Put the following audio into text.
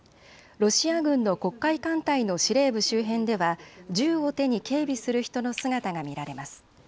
ロシア軍の黒海艦隊の司令部周辺では銃を手に警備する人の姿が見られます。